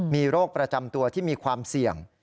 มีโรคประจำตัวที่มีความเสี่ยง